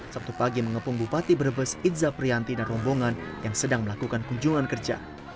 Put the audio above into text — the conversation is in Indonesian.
sabtu pagi mengepung bupati brebes itza prianti dan rombongan yang sedang melakukan kunjungan kerja